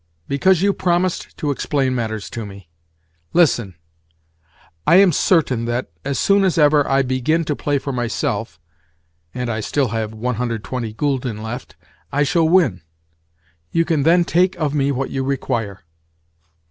"Because you promised to explain matters to me. Listen. I am certain that, as soon as ever I 'begin to play for myself' (and I still have 120 gülden left), I shall win. You can then take of me what you require."